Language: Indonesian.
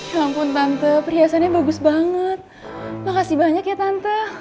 ya ampun tante priasanya bagus banget makasih banyak ya tante